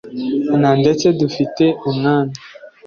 na ndetse dufite umwami